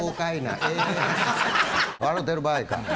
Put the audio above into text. へえ。笑てる場合か？